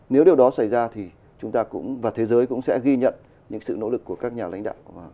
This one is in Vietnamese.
nếu điều đó xảy ra thì chúng ta cũng và thế giới cũng sẽ ghi nhận những sự nỗ lực của các nhà lãnh đạo